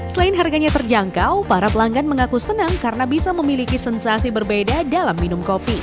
selain harganya terjangkau para pelanggan mengaku senang karena bisa memiliki sensasi berbeda dalam minum kopi